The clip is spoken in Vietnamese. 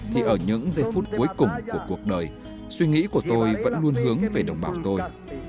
thì ở những giây phút cuối cùng của cuộc đời suy nghĩ của tôi vẫn luôn hướng về đồng bào tôi